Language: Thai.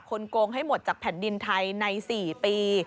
โกงให้หมดจากแผ่นดินไทยใน๔ปี